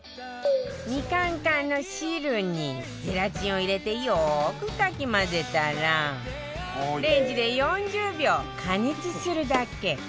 みかん缶の汁にゼラチンを入れてよくかき混ぜたらレンジで４０秒加熱するだけ